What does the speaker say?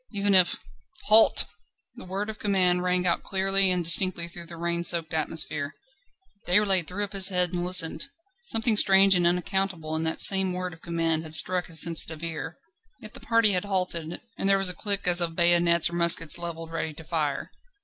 Even if ... "Halt!" The word of command rang out clearly and distinctly through the rain soaked atmosphere. Déroulède threw up his head and listened. Something strange and unaccountable in that same word of command had struck his sensitive ear. Yet the party had halted, and there was a click as of bayonets or muskets levelled ready to fire.